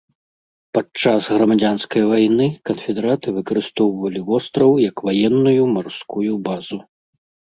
Падчас грамадзянскай вайны канфедэраты выкарыстоўвалі востраў як ваенную марскую базу.